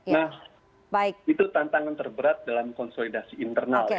nah itu tantangan terberat dalam konsolidasi internal